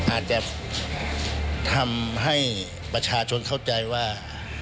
อาจจะทำให้ประชาชนเข้าใจว่า